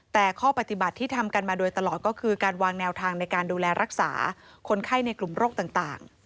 แต่ข้อปฏิบัติที่ทำกันมาโดยตลอดก็คือการวางแนวทางในการดูแลรักษาคนไข้ในกลุ่มโรคต่าง